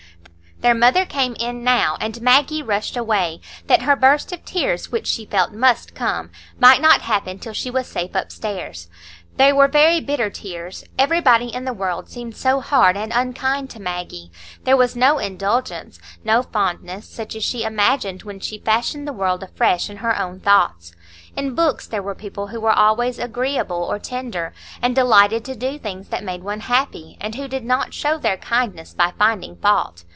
Their mother came in now, and Maggie rushed away, that her burst of tears, which she felt must come, might not happen till she was safe upstairs. They were very bitter tears; everybody in the world seemed so hard and unkind to Maggie; there was no indulgence, no fondness, such as she imagined when she fashioned the world afresh in her own thoughts. In books there were people who were always agreeable or tender, and delighted to do things that made one happy, and who did not show their kindness by finding fault.